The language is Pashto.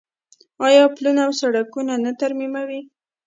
آیا پلونه او سړکونه نه ترمیموي؟